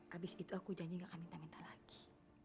habis itu aku janji gak akan minta minta lagi